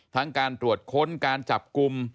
ทั้งการตรวจค้นการจับกลุ่ม